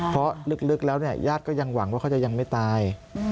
เพราะลึกแล้วเนี่ยญาติก็ยังหวังว่าเขาจะยังไม่ตาย